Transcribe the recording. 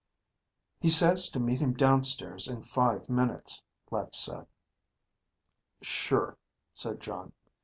"He says to meet him downstairs in five minutes," Let said. "Sure," said Jon.